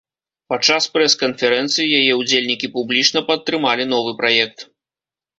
Падчас прэс-канферэнцыі яе ўдзельнікі публічна падтрымалі новы праект.